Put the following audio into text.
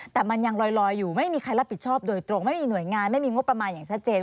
แต่มันยังลอยอยู่ไม่มีใครรับผิดชอบโดยตรงไม่มีหน่วยงานไม่มีงบประมาณอย่างชัดเจน